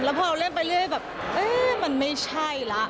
เมื่อเราเล่นไปเรื่อยแบบเอ๊ยมันไม่ใช่ละ